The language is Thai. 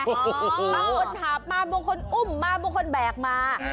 ต้องหาบมาบวงคนอุ่มมาบวงคนแบกมา